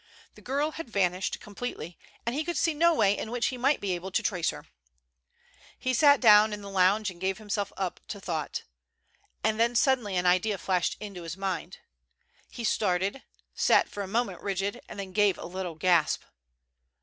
The girl had vanished completely, and he could see no way in which he might be able to trace her. He sat down in the lounge and gave himself up to thought. And then suddenly an idea flashed into his mind. He started, sat for a moment rigid, then gave a little gasp.